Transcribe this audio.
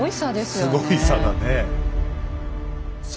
すごい差だね。